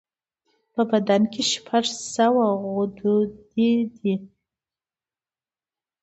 په بدن شپږ سوه غدودي دي.